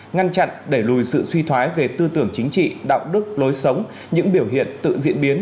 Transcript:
ngăn chặn đẩy lùi sự suy thoái về tư tưởng chính trị đạo đức lối sống những biểu hiện tự diễn biến